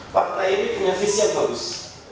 partai ini punya visi yang bagus